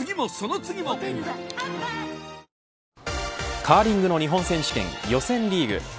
カーリングの日本選手権予選リーグ。